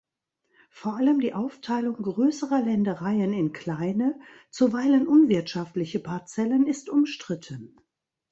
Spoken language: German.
Vor allem die Aufteilung größerer Ländereien in kleine, zuweilen unwirtschaftliche Parzellen ist umstritten.